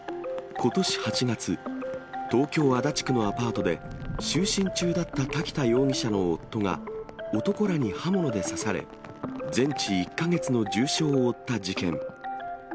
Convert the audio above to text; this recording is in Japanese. ことし８月、東京・足立区のアパートで、就寝中だった滝田容疑者の夫が男らに刃物で刺され、全治１か月の重傷を負った事件。